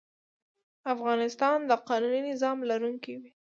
افغانستان د قانوني نظام لرونکی وي.